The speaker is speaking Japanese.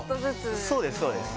そうです、そうです。